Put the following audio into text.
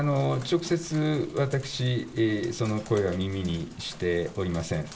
直接、私、その声は耳にしておりません。